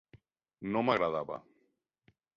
No m'agradava.